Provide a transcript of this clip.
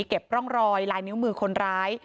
เก็บร่องรอยลายนิ้วมือคนร้าย